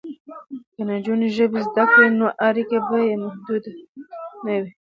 که نجونې ژبې زده کړي نو اړیکې به یې محدودې نه وي.